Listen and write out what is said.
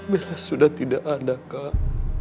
bila sudah tidak ada kak